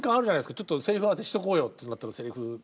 ちょっとせりふ合わせしとこうよってなったらせりふ。